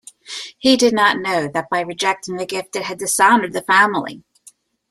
He did not know that by rejecting the gift, it had dishonoured the family.